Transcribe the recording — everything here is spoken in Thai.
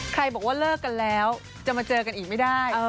บอกว่าเลิกกันแล้วจะมาเจอกันอีกไม่ได้